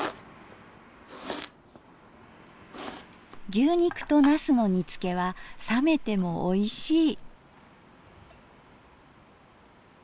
牛肉となすの煮つけは冷めてもおいしい。